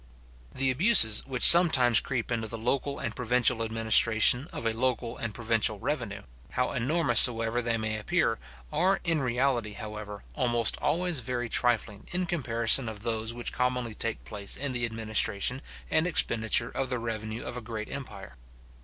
The abuses which sometimes creep into the local and provincial administration of a local and provincial revenue, how enormous soever they may appear, are in reality, however, almost always very trifling in comparison of those which commonly take place in the administration and expenditure of the revenue of a great empire.